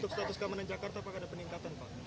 untuk status keamanan jakarta apakah ada peningkatan pak